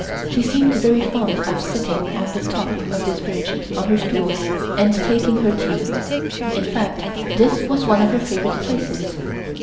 She seemed very fond of sitting on the top of this bridge on her stool and taking her tea, in fact this was one of her favorite places.